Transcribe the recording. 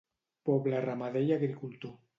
Poble ramader i agricultor.